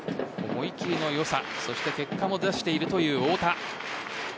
思い切りの良さそして結果も出しているという太田。